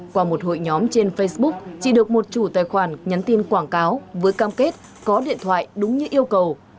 qua một hội nhóm trên facebook chỉ được một chủ tài khoản nhắn tin quảng cáo với cam kết có điện thoại đúng như yêu cầu